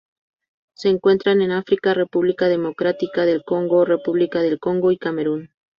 Se encuentran en África: República Democrática del Congo, República del Congo y Camerún.